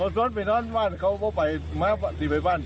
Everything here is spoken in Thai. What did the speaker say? เออคนตรงไปนอนว่านเขาพอไปมาสิมไหนบ้าน